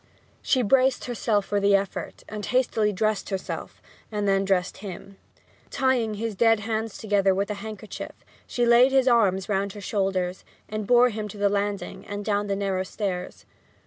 She braced herself for the effort, and hastily dressed herself; and then dressed him. Tying his dead hands together with a handkerchief; she laid his arms round her shoulders, and bore him to the landing and down the narrow stairs.